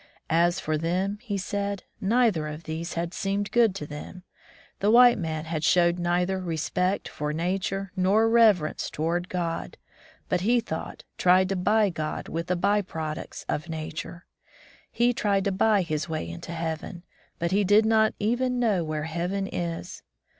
As for them, he said, neither of these had seemed good to them. The white man had showed neither respect for nature nor reverence toward God, but, he thought, tried to buy God with the by products of nature. He tried to buy his way into heaven, but he did not even know where heaven is.